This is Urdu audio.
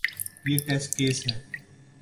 یہ ٹیسٹ کیس ہے۔